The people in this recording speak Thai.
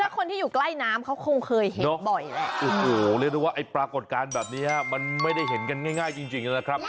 คนที่อยู่ใกล้น้ำเขาคงเคยเห็นบ่อยแหละโอ้โหเรียกได้ว่าไอ้ปรากฏการณ์แบบนี้มันไม่ได้เห็นกันง่ายจริงนะครับ